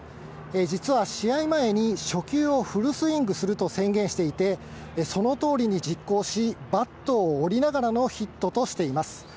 実は試合前に初球をフルスイングすると宣言していて、その通りに実行し、バットを折りながらのヒットとしています。